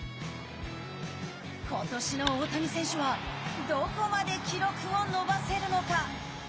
ことしの大谷選手はどこまで記録を伸ばせるのか。